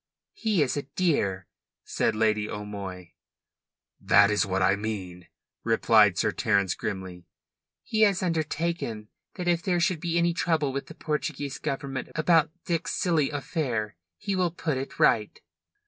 "He is a dear," said Lady O'Moy. "That is what I mean," replied Sir Terence grimly. "He has undertaken that if there should be any trouble with the Portuguese Government about Dick's silly affair he will put it right."